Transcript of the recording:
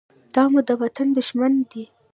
دا مو د وطن دښمن دى.